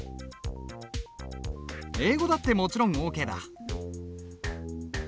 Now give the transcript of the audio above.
英語だってもちろんオーケーだ。